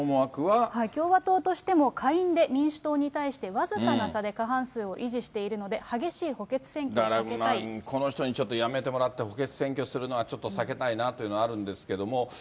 共和党としても、下院で民主党に対して僅かな差で過半数を維持しているので、だからもう、この人にちょっと辞めてもらって補欠選挙するのはちょっと避けたいなというのはあるんですけども。